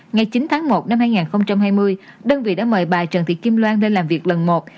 ngày chín tháng một năm hai nghìn hai mươi đơn vị đã mời bà trần thị kim loan lên làm việc lần một